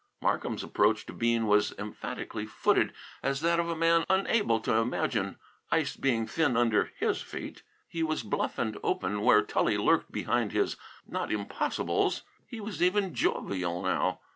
Markham's approach to Bean was emphatically footed, as that of a man unable to imagine ice being thin under his feet. He was bluff and open, where Tully lurked behind his "not impossibles." He was even jovial now.